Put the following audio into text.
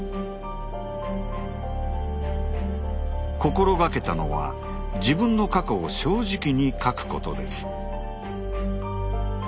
心がけたのは自分の過去を正直に書くことです。